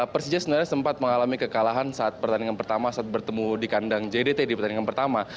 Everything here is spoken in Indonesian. persija sebenarnya sempat mengalami kekalahan saat pertandingan pertama saat bertemu di kandang jdt di pertandingan pertama